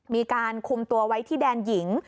มีการคุมตัวไว้ที่แดนหญิง